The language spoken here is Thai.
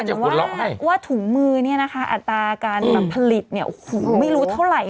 แต่ว่าถุงมือนี้นะคะอัตราการมาผลิตโหไม่รู้เท่าไหร่